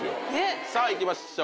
さぁ行きましょう。